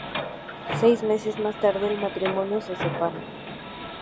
Seis meses más tarde, el matrimonio se separa.